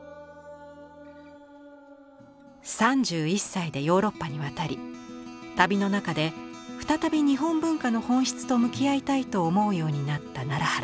３１歳でヨーロッパに渡り旅の中で再び日本文化の本質と向き合いたいと思うようになった奈良原。